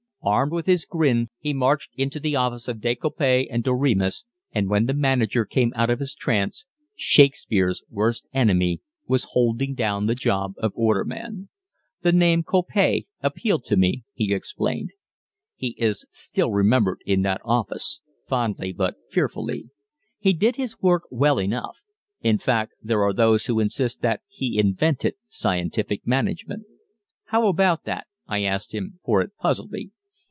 Armed with his grin, he marched into the office of De Coppet & Doremus, and when the manager came out of his trance Shakespeare's worst enemy was holding down the job of order man. "The name Coppet appealed to me," he explains. He is still remembered in that office, fondly but fearfully. He did his work well enough; in fact, there are those who insist that he invented scientific management. "How about that?" I asked him, for it puzzled me.